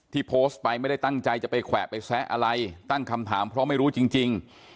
โพสต์ไปไม่ได้ตั้งใจจะไปแขวะไปแซะอะไรตั้งคำถามเพราะไม่รู้จริง